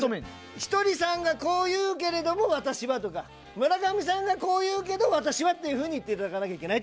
ひとりさんがこう言うけれども私はとか村上さんがこう言うけど私はというふうに言っていただかなければならない。